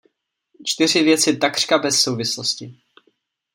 Čtyři věci takřka bez souvislosti.